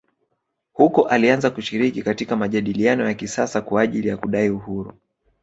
Huko alianza kushiriki katika majadiliano ya kisiasa kwa ajili ya kudai uhuru